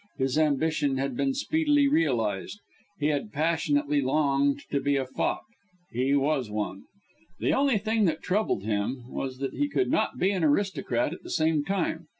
His ambition had been speedily realized. He had passionately longed to be a fop he was one. The only thing that troubled him, was that he could not be an aristocrat at the same time.